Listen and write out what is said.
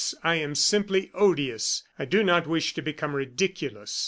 I am simply odious; I do not wish to become ridiculous!"